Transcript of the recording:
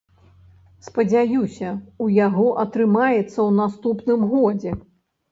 Спадзяюся, у яго атрымаецца ў наступным годзе.